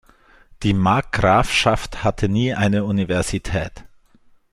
Die Markgrafschaft hatte nie eine Universität.